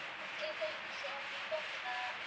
haijaweka wazi eeeh sehemu hiyo kwa hivyo